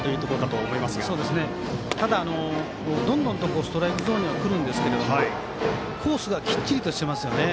そうですね、ただどんどんストライクゾーンにはくるんですけれどもコースがきっちりとしていますね。